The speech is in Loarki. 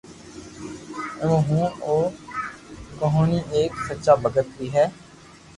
اھيو ھون او ڪہوني ايڪ سچا ڀگت ري ھي